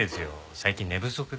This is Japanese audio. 最近寝不足で。